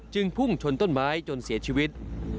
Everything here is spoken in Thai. พุ่งชนต้นไม้จนเสียชีวิต